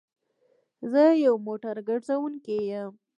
زه يو موټر ګرځونکی يم